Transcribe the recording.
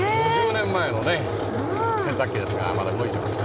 ５０年前のね洗濯機ですがまだ動いてます。